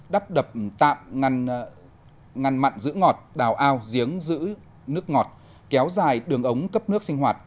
đắp đập tạm ngăn mặn giữ ngọt đào ao giếng giữ nước ngọt kéo dài đường ống cấp nước sinh hoạt